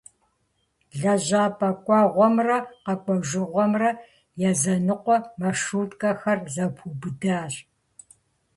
Лэжьапӏэ кӏуэгъуэмрэ къэкӏуэжыгъуэмрэ языныкъуэ маршруткэхэр зэпэубыдащ.